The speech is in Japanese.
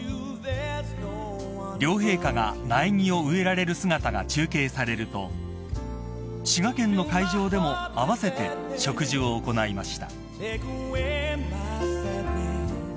［両陛下が苗木を植えられる姿が中継されると滋賀県の会場でも合わせて植樹を行いました］